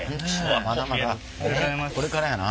まだまだこれからやな。